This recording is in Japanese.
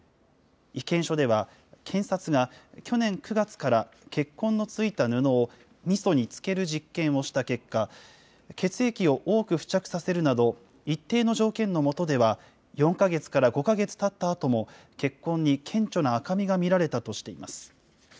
意見書では、検察が去年９月から血痕の付いた布をみそに漬ける実験をした結果、血液を多く付着させるなど、一定の条件の下では、４か月から５か月たったあとも、血痕に顕著な赤みが見られたとしています。